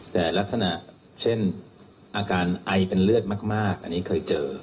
แต่ลักษณะเช่นอาการไอเป็นเลือดมากอันนี้เคยเจอ